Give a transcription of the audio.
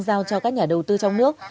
giao cho các nhà đầu tư trong nước